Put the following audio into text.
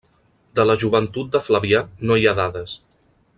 De la joventut de Flavià no hi ha dades.